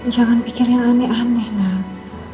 jangan pikir yang aneh aneh nak